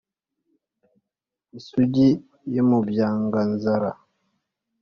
isugi yo mu byanganzara